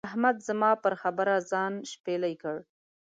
احمد زما پر خبره ځان شپېلی کړ.